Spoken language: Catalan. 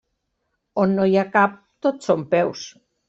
On no hi ha cap, tot són peus.